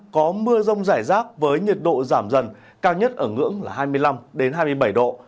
có mưa rông rải rác với nhiệt độ giảm dần cao nhất ở ngưỡng là hai mươi năm hai mươi bảy độ